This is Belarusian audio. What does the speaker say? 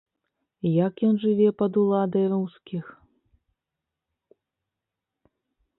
Як ён жыве пад уладай рускіх?